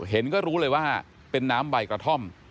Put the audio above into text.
เห็นก็รู้เลยว่าเป็นน้ำใบกระท่อม